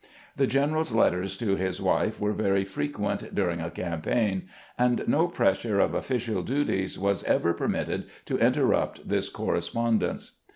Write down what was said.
The general's letters to his wife were very frequent during a cam paign, and no pressure of official duties was ever per mitted to interrupt this correspondence.